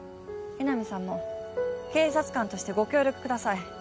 江波さんも警察官としてご協力ください。